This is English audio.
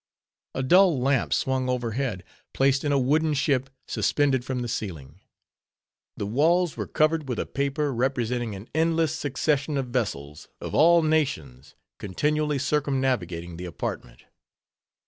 A dull lamp swung overhead, placed in a wooden ship suspended from the ceiling. The walls were covered with a paper, representing an endless succession of vessels of all nations continually circumnavigating the apartment.